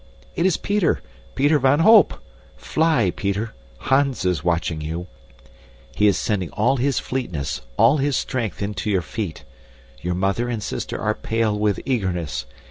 It is Peter, Peter van Holp; fly, Peter Hans is watching you. He is sending all his fleetness, all his strength into your feet. Your mother and sister are pale with eagerness.